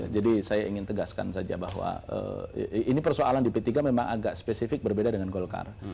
jadi saya ingin tegaskan saja bahwa ini persoalan di p tiga memang agak spesifik berbeda dengan golkar